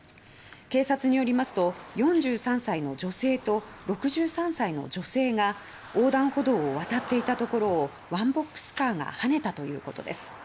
警察によりますと４３歳の女性と６３歳の女性が横断歩道を渡っていたところをワンボックスカーがはねたということです。